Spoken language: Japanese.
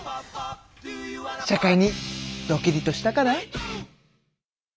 社会にドキリとしたかな？